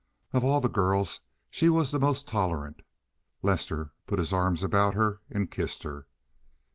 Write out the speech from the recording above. Of all the girls she was the most tolerant. Lester put his arms about her, and kissed her.